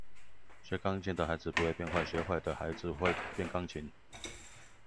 學鋼琴的孩子不會變壞，學壞的孩子會變鋼琴